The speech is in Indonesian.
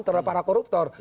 terhadap para koruptor